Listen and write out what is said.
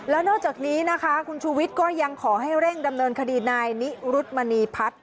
แล้วนอกจากนี้นะคะคุณชูวิทย์ก็ยังขอให้เร่งดำเนินคดีนายนิรุธมณีพัฒน์